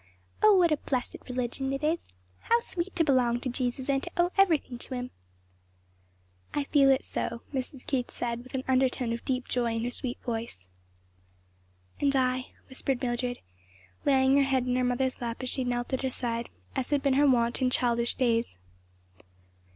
Oh what a blessed religion it is! how sweet to belong to Jesus and to owe everything to him!" "I feel it so," Mrs. Keith said, with an undertone of deep joy in her sweet voice. "And I," whispered Mildred, laying her head in her mother's lap as she knelt at her side, as had been her wont in childish days.